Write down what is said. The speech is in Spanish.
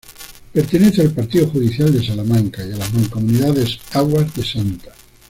Pertenece al partido judicial de Salamanca y a las mancomunidades Aguas de Sta.